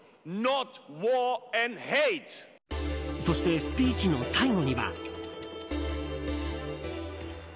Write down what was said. そしてスピーチの最後には。